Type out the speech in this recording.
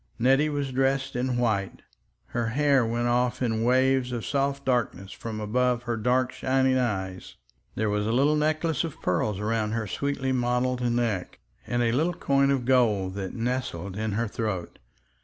Nettie was dressed in white, her hair went off in waves of soft darkness from above her dark shining eyes; there was a little necklace of pearls about her sweetly modeled neck, and a little coin of gold that nestled in her throat.